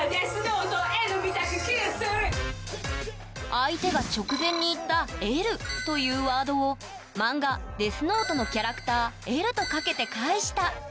相手が直前に言った「エル」というワードを漫画「ＤＥＡＴＨＮＯＴＥ」のキャラクター「Ｌ」と掛けて返した。